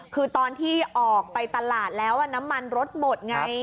คือตอนที่ออกไปตลาดแล้วน้ำมันรถหมดไง